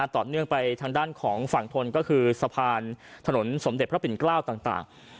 ต่อเนื่องไปทางด้านของฝั่งทนก็คือสะพานถนนสมเด็จพระปิ่นเกล้าต่าง